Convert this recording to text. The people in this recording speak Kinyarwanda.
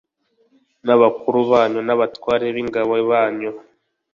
n abakuru banyu n abatware b ingabo banyu